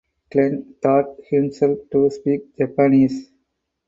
Glen taught himself to speak Japanese.